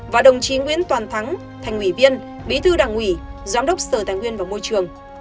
và đồng chí nguyễn toàn thắng thành ủy viên bí thư đảng ủy giám đốc sở tài nguyên và môi trường